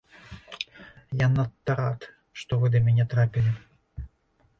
Я надта рад, што вы да мяне трапілі.